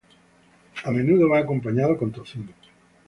A menudo va acompañado con tocino.